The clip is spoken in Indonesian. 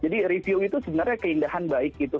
jadi review itu sebenarnya keindahan baik gitu